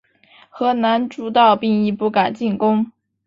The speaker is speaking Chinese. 河南诸道兵亦不敢进攻。